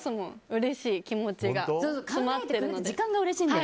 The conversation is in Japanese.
うれしい、気持ちが詰まってるので。